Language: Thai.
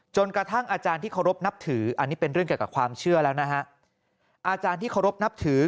อาจารย์ที่เคารพนับถืออันนี้เป็นเรื่องเกี่ยวกับความเชื่อแล้วนะฮะอาจารย์ที่เคารพนับถือ